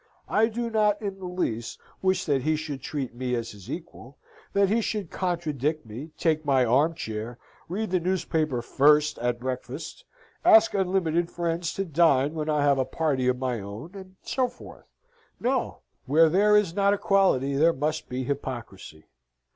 I do not in the least wish that he should treat me as his equal, that he should contradict me, take my arm chair, read the newspaper first at breakfast, ask unlimited friends to dine when I have a party of my own, and so forth. No; where there is not equality there must be hypocrisy.